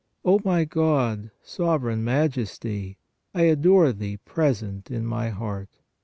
O my God, Sovereign Majesty, I adore Thee present in my heart.